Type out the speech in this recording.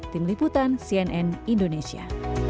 tim liputan cnn indonesia